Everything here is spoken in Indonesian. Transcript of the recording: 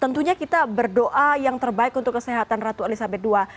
tentunya kita berdoa yang terbaik untuk kesehatan ratu elizabeth ii